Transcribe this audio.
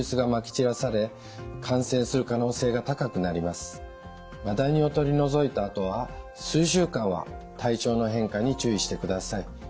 またマダニを取り除いたあとは数週間は体調の変化に注意してください。